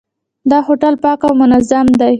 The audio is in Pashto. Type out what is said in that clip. دا هوټل پاک او منظم دی.